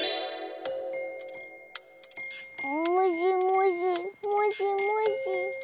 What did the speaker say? もじもじもじもじ。